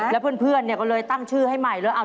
แล้วเพื่อนก็เลยตั้งชื่อให้ใหม่เลย